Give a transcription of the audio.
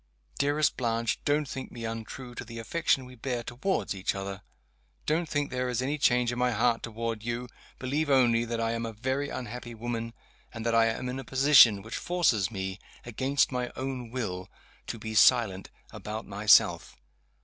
Dearest Blanche! don't think me untrue to the affection we bear toward each other don't think there is any change in my heart toward you believe only that I am a very unhappy woman, and that I am in a position which forces me, against my own will, to be silent about myself.